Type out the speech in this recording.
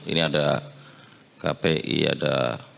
ini ada kpi ada